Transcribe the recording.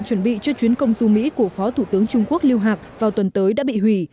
chuẩn bị cho chuyến công du mỹ của phó thủ tướng trung quốc liêu hạc vào tuần tới đã bị hủy